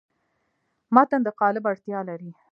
متن د قالب اړتیا لري.